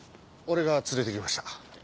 俺が連れて来ました。